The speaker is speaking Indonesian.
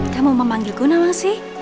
kamu memanggilku nawangsi